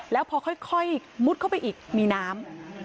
แล้วพอค่อยมุดเข้าไปอีกมีน้ำ